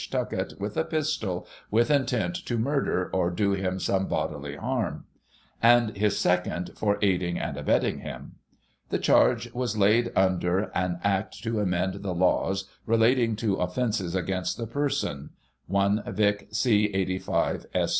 Tuckett with a pistol, with intent to murder, or do him some bodily harm "; and his second, for aiding and abetting him. The charge was laid under "An Act to amend the Laws relating to Offences against the Person " (i Vic, c. 85, s.